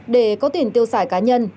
để có tiền tiêu xài cá nhân